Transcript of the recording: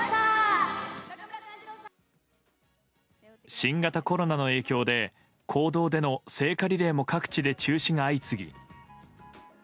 新型コロナの影響で公道での聖火リレーも各地で中止が相次ぎ。